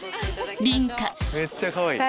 梨花めっちゃかわいい！